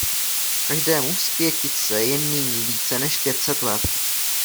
Každému z pětice je nyní více než pět set let.